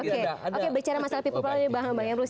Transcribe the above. kita bicara masalah people power ini bang emrus